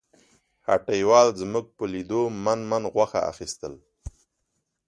هټیوال زموږ په لیدو من من غوښه اخیستل.